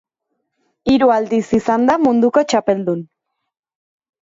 Hiru aldiz izan da munduko txapeldun.